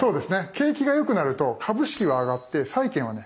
景気が良くなると株式は上がって債券はね